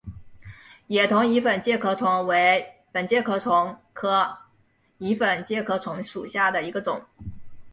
野桐蚁粉介壳虫为粉介壳虫科蚁粉介壳虫属下的一个种。